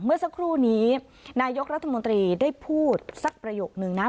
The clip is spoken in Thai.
เมื่อสักครู่นี้นายกรัฐมนตรีได้พูดสักประโยคนึงนะ